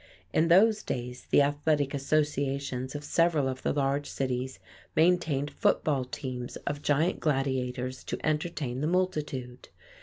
In those days the athletic associations of several of the large cities maintained football teams of giant gladiators to entertain the multitude.